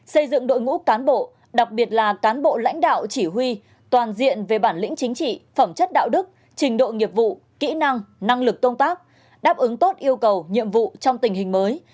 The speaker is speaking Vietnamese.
xây dựng đội ngũ cán bộ đặc biệt là cán bộ lãnh đạo chỉ huy toàn diện về bản lĩnh chính trị phẩm chất đạo đức trình độ nghiệp vụ kỹ năng năng lực công tác đáp ứng tốt yêu cầu nhiệm vụ trong tình hình mới